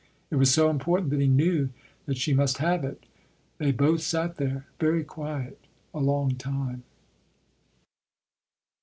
It was so important that he knew that she must have it. They both sat there, very quiet, a long time.